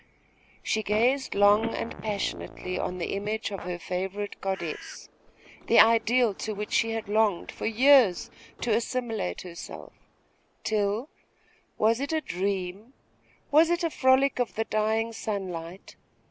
She gazed long and passionately on the image of her favourite goddess, the ideal to which she had longed for years to assimilate herself; till was it a dream? was it a frolic of the dying sunlight?